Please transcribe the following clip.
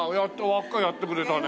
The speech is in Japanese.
輪っかやってくれたね。